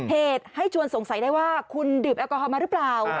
เหตุให้ชวนสงสัยได้ว่าคุณดื่มแอลกอฮอลมาหรือเปล่า